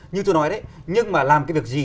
như tôi nói đấy nhưng mà làm cái việc gì